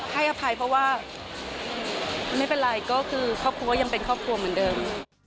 ให้อภัยเพราะว่าไม่เป็นไรก็คือครอบครัวยังเป็นครอบครัวเหมือนเดิม